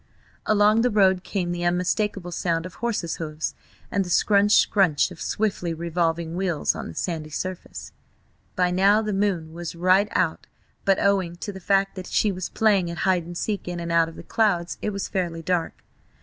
Along the road came the unmistakable sound of horses' hoofs, and the scrunch scrunch of swiftly revolving wheels on the sandy surface. By now the moon was right out, but owing to the fact that she was playing at hide and seek in and out of the clouds, it was fairly dark.